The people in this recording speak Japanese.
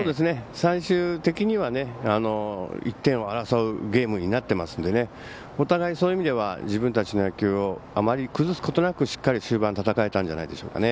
最終的には１点を争うゲームになっていますのでねお互い、そういう意味では自分たちの野球をあまり崩すことなく終盤しっかりと戦えたんじゃないんでしょうかね。